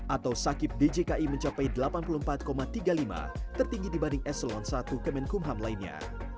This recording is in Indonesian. atau sakit djki mencapai delapan puluh empat tiga puluh lima tertinggi dibanding eselon satu kemenkumham lainnya